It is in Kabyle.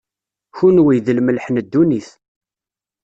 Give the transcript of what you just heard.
kenwi, d lmelḥ n ddunit.